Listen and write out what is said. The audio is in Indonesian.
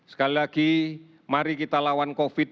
sekali lagi mari kita lawan covid sembilan belas